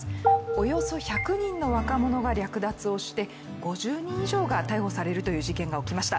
およそ１００人の若者が略奪をして５０人以上が逮捕されるという事件が起きました